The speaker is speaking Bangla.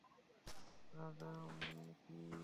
আর পিইএ হিসাব?